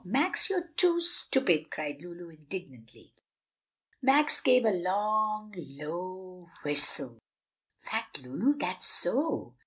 Max, you're too stupid!" cried Lulu indignantly. Max gave a long, low whistle. "Fact, Lu! that's so!